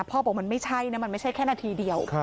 บอกมันไม่ใช่นะมันไม่ใช่แค่นาทีเดียว